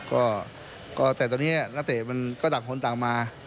ก็ก็แต่ตอนเนี้ยแต่ตอนเนี้ยนะเตะมันก็ดัดหลงต่างมา